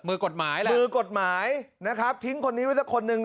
มือกฎหมายเลยมือกฎหมายนะครับทิ้งคนนี้ไว้สักคนหนึ่ง